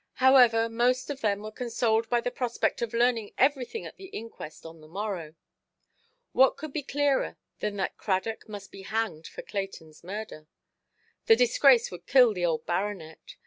However, most of them were consoled by the prospect of learning everything at the inquest on the morrow. What could be clearer than that Cradock must be hanged for Claytonʼs murder? The disgrace would kill the old baronet.